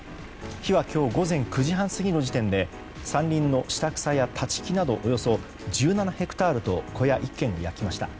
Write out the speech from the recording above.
火は今日午前９時半過ぎの時点で山林の下草や立ち木などおよそ１７ヘクタールと小屋１軒を焼きました。